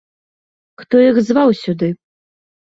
Хто іх зваў сюды?